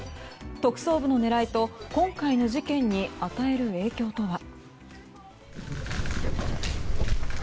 特捜部の狙いと今回の事件に与える影響とは。